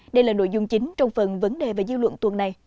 đây là nội dung chính trong phần vấn đề và dư luận tuần này